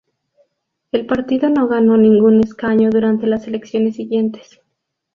El partido no ganó ningún escaño durante las elecciones siguientes.